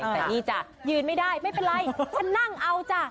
แต่นี่จ้ะยืนไม่ได้ไม่เป็นไรฉันนั่งเอาจ้ะ